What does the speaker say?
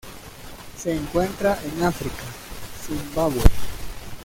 Se encuentran en África: Zimbabue.